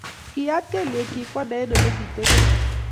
Kiyaat kelyekchik Kwanda eng olegitebei